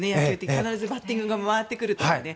必ずバッティングが回ってくるので。